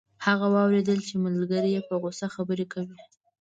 هغه واوریدل چې ملګری یې په غوسه خبرې کوي